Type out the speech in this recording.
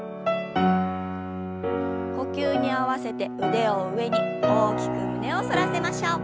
呼吸に合わせて腕を上に大きく胸を反らせましょう。